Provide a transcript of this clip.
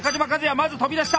まず飛び出した！